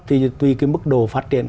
thì tùy cái mức đồ phát triển